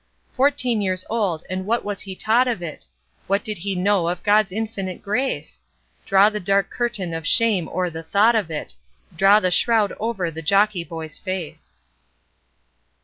Fourteen years old, and what was he taught of it? What did he know of God's infinite grace? Draw the dark curtain of shame o'er the thought of it, Draw the shroud over the jockey boy's face.